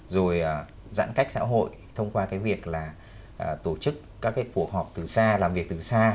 rồi giãn cách xã hội thông qua cái việc là tổ chức các cái cuộc họp từ xa làm việc từ xa